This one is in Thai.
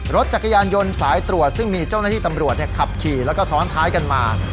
รถจักรยานยนต์สายตรวจซึ่งมีเจ้าหน้าที่ตำรวจขับขี่แล้วก็ซ้อนท้ายกันมา